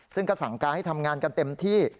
ซึ่งก็สั่งการให้ทำงานกันเต็มที่